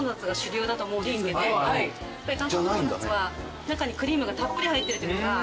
韓国ドーナツは中にクリームがたっぷり入ってるっていうのが。